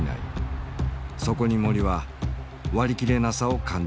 そこに森は割り切れなさを感じていた。